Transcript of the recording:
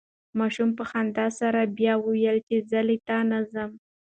ماشوم په خندا سره بیا وویل چې زه له تا نه ځم.